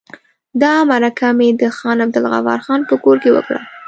دا مرکه مې د خان عبدالغفار خان په کور کې وکړه.